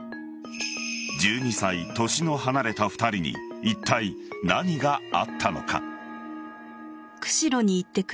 １２歳年の離れた２人にいったい何があったのか。